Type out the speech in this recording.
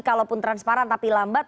kalaupun transparan tapi lambat